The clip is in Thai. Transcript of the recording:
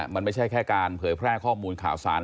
มันไม่ใช่แค่การเผยแพร่ข้อมูลข่าวสาร